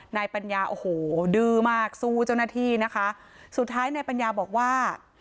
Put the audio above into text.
นายปัญญาโอ้โหดื้อมากสู้เจ้าหน้าที่นะคะสุดท้ายนายปัญญาบอกว่า